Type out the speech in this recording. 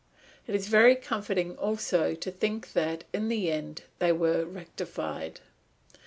It is very comforting also to think that, in the end, they were rectified.